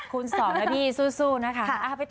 คุณสอนนะพี่สู้นะคะ